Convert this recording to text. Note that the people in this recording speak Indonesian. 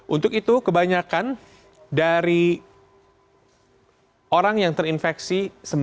untuk itu kebanyakan dari orang yang terinfeksi